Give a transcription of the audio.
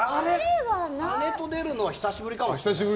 姉と出るのは久しぶりかも。